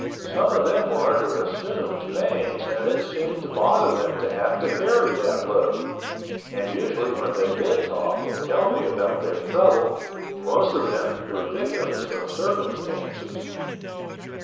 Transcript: Some of them were under assumed names and it seemed to bother them to have to carry that load—and usually when they did talk and tell me about their trouble most of them were victims of circumstances.